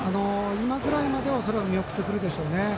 今ぐらいまでは恐らく見送ってくるでしょうね。